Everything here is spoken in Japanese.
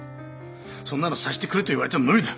そんなの察してくれと言われても無理だ。